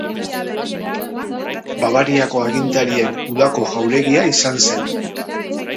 Bavariako agintarien udako jauregia izan zen.